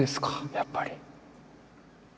やっぱり。